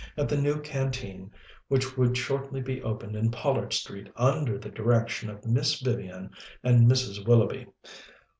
at the new Canteen which would shortly be opened in Pollard Street under the direction of Miss Vivian and Mrs. Willoughby.